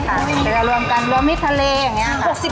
แล้วก็รวมกันรวมมิดทะเลอย่างนี้ค่ะ